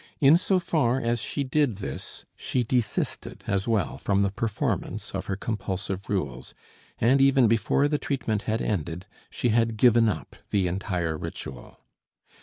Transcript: In so far as she did this, she desisted as well from the performance of her compulsive rules, and even before the treatment had ended she had given up the entire ritual.